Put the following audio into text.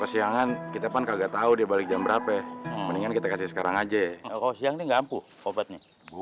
kesiangan kita kan kagak tahu dia balik jam berapa mendingan kita kasih sekarang aja kalau siang ini